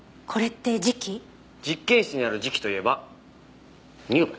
実験室にある磁器といえば乳鉢？